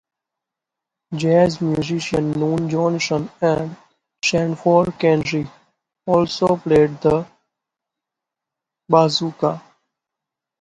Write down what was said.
Jazz musicians Noon Johnson and Sanford Kendrick also played the bazooka.